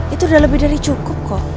itu udah lebih dari cukup kok